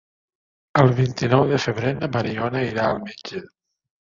El vint-i-nou de febrer na Mariona irà al metge.